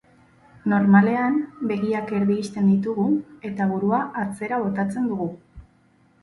Normalean, begiak erdi ixten ditugu eta burua atzera botatzen dugu.